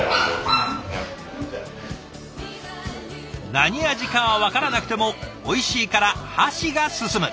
何味かは分からなくてもおいしいから箸が進む。